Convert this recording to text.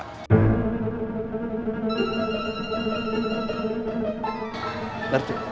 lu kasih tau anak jangan pernah